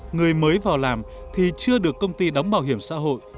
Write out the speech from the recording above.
người mới vào làm thì chưa được công ty đóng bảo hiểm xã hội